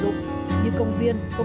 như công viên công sở văn phòng quán xá